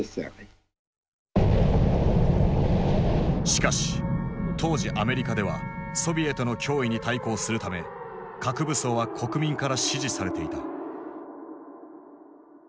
しかし当時アメリカではソビエトの脅威に対抗するため核武装は国民から支持されていた。